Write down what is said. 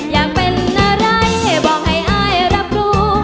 อยากเป็นอะไรบอกให้อายรับรู้